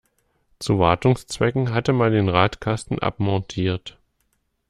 Zu Wartungszwecken hatte man den Radkasten abmontiert.